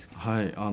はい。